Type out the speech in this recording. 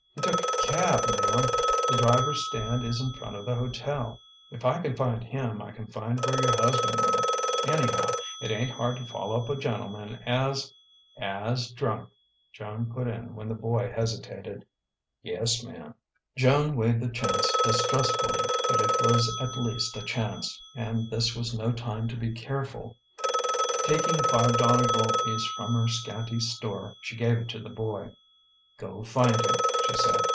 "He took a cab, ma'm. The driver's stand is in front of the hotel. If I can find him, I can find where your husband went. Anyhow, it ain't hard to follow up a gentleman as " "As drunk!" Joan put in when the boy hesitated. "Yes, ma'm." Joan weighed the chance distrustfully; but it was at least a chance, and this was no time to be careful. Taking a five dollar gold piece from her scanty store, she gave it to the boy. "Go find him," she said.